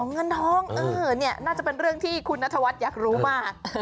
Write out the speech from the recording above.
เงินทองน่าจะเป็นเรื่องที่คุณนัทวัฒน์อยากรู้มาก